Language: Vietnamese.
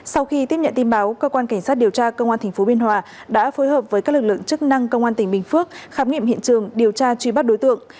sau khi tiếp nhận tin báo cơ quan cảnh sát điều tra công an tp biên hòa đã phối hợp với các lực lượng chức năng công an tỉnh bình phước khám nghiệm hiện trường điều tra truy bắt đối tượng